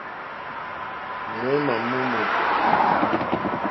Ŋwěémá mó mòtò.